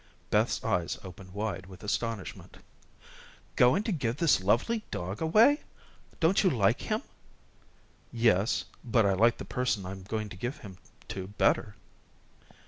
Beth's eyes opened wide with astonishment. "Going to give this lovely dog away! Don't you like him?" "Yes, but I like the person I'm going to give him to better."